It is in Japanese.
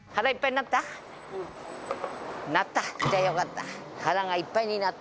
なった、じゃあよかった。